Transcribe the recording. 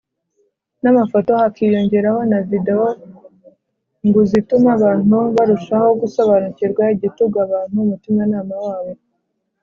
n amafoto hakiyongeraho na videwo ngu zituma abantu barushaho gusobanukirwa igitugu abantu umutimanama wabo